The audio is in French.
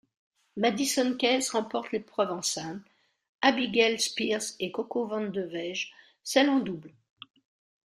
Madison Keys remporte l'épreuve en simple, Abigail Spears et Coco Vandeweghe celle en double.